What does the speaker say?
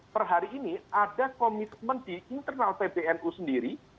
perhari ini ada komitmen di internal pbnu sendiri